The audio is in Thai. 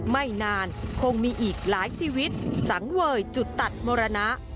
ไม่นานคงมีอีกหลายชีวิตสังเวยจุดตัดมรณะ